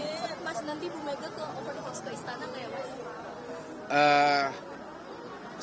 mas nanti bumegat akan berubah menjadi istana tidak ya